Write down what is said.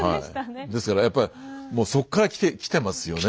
ですからやっぱりもうそっからきてますよね。